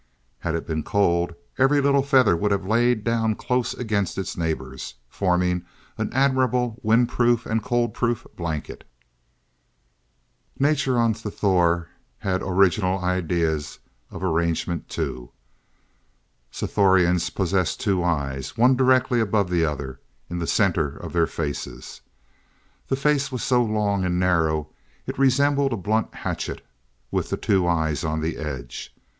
Had it been cold, every little feather would have lain down close against its neighbors, forming an admirable, wind proof and cold proof blanket. Nature, on Sthor, had original ideas of arrangement too. Sthorians possessed two eyes one directly above the other, in the center of their faces. The face was so long, and narrow, it resembled a blunt hatchet, with the two eyes on the edge.